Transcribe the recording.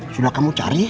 sudah kamu cari